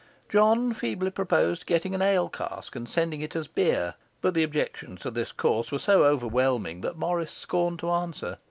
John feebly proposed getting an ale cask and sending it as beer, but the objections to this course were so overwhelming that Morris scorned to answer.